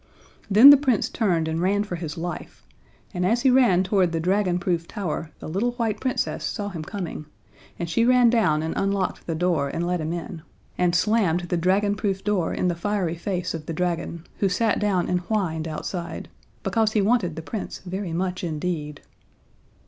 Then the Prince turned and ran for his life, and as he ran toward the dragonproof tower the little white Princess saw him coming, and she ran down and unlocked the door and let him in, and slammed the dragonproof door in the fiery face of the dragon, who sat down and whined outside, because he wanted the Prince very much indeed.